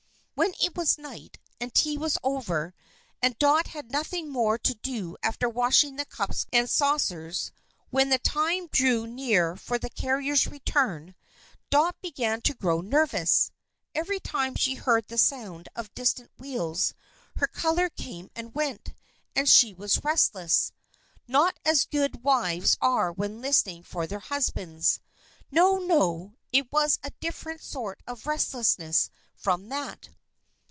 When it was night, and tea was over, and Dot had nothing more to do after washing the cups and saucers when the time drew near for the carrier's return, Dot began to grow nervous. Every time she heard the sound of distant wheels, her color came and went, and she was restless. Not as good wives are when listening for their husbands. No, no, no. It was a different sort of restlessness from that.